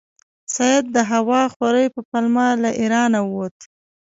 سید د هوا خورۍ په پلمه له ایرانه ووت.